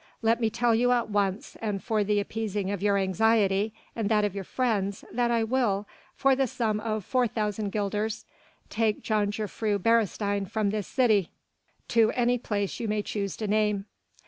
Let me tell you at once and for the appeasing of your anxiety and that of your friends that I will, for the sum of 4,000 guilders, take Jongejuffrouw Beresteyn from this city to any place you may choose to name.